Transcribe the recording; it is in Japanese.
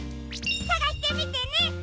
さがしてみてね！